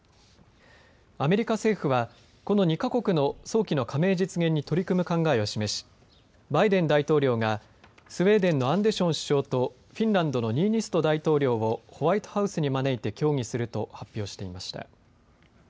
アメリカ政府は、この２か国の早期の加盟実現に取り組む考えを示しバイデン大統領がスウェーデンのアンデション首相とフィンランドのニーニスト大統領をホワイトハウスに招いて協議すると発表していました。